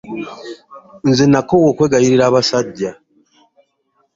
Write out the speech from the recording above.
Nze nakoowa okwegayirira abasajja.